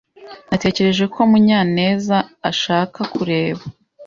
Natekereje ko Munyanezashaka kureba.